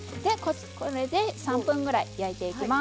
これで３分ぐらい焼いていきます。